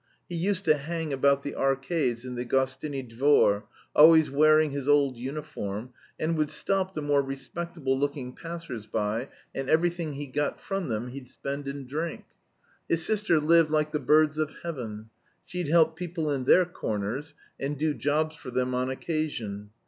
He used to hang about the arcades in the Gostiny Dvor, always wearing his old uniform, and would stop the more respectable looking passers by, and everything he got from them he'd spend in drink. His sister lived like the birds of heaven. She'd help people in their 'corners,' and do jobs for them on occasion.